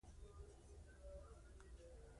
پړانګ نسته